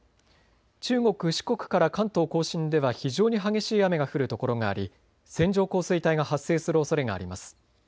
中国、四国から関東甲信では非常に激しい雨が降るところがあり線状降水帯が発生するおそれがあります。